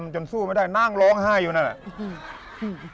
จนสู้ไม่ได้นั่งร้องไห้อยู่นั่นแหละ